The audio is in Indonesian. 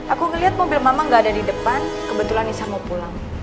aku ngeliat mobil mama nggak ada di depan kebetulan nisa mau pulang